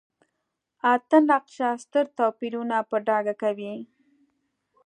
اته نقشه ستر توپیرونه په ډاګه کوي.